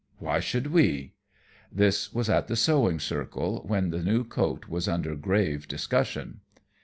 Why should we?" This was at the sewing circle, when the new coat was under grave discussion.